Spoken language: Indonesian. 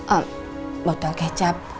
eh botol kecap